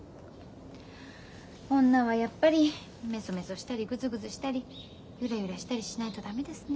女はやっぱりめそめそしたりグズグズしたりゆらゆらしたりしないと駄目ですね。